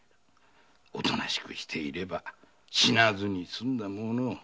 おとなしくしていれば死なずにすんだものを。